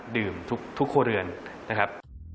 ดื่มทุกครัวเรือนนะครับ